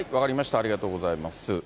ありがとうございます。